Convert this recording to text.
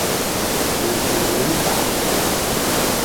M'zuri M'baa.